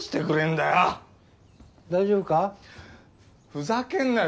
ふざけんなよ！